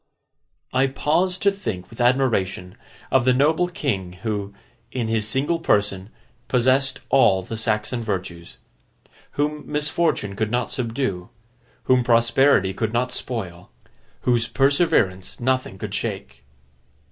I pause to think with admiration, of the noble king who, in his single person, possessed all the Saxon virtues. Whom misfortune could not subdue, whom prosperity could not spoil, whose perseverance nothing could shake.